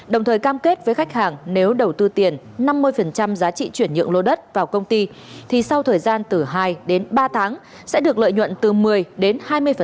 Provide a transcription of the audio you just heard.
đồng thời cam kết với khách hàng nếu đầu tư tiền năm mươi giá trị chuyển nhượng lô đất vào công ty thì sau thời gian từ hai đến ba tháng sẽ được lợi nhuận từ một mươi đến hai mươi